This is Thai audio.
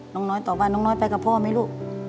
น้องน้อยตอบว่าน้องน้อยไปกับพ่อไหมลูก